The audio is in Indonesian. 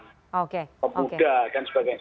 pemuda dan sebagainya